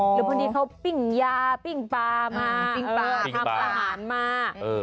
หรือพอดีเขาปิ้งยาปิ้งปลามาปิ้งปลาทำอาหารมา